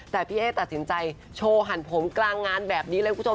แต่พี่เอ๊ตัดสินใจโชว์หันผมกลางงานแบบนี้เลยคุณผู้ชม